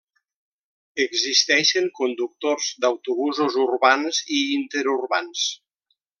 Existeixen conductors d'autobusos urbans i interurbans.